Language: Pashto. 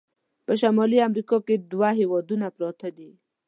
په شمالي امریکا کې دوه هیوادونه پراته دي.